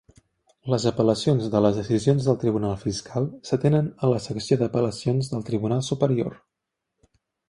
Les apel·lacions de les decisions del tribunal fiscal s'atenen a la secció d'apel·lacions del tribunal superior.